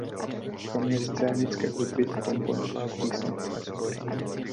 Kromě scénické hudby komponoval písně a sbory.